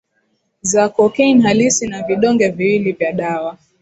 za cocaine halisi na vidonge viwili vya dawa